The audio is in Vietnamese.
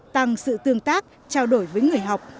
tăng sự tương tác trao đổi với người học